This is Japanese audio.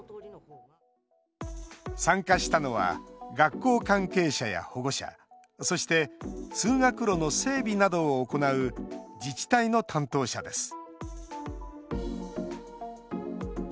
参加したのは学校関係者や保護者そして、通学路の整備などを行う自治体の担当者です